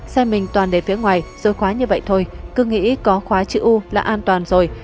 xe mình toàn đề phía ngoài rồi khóa như vậy thôi cứ nghĩ có khóa chữ u là an toàn rồi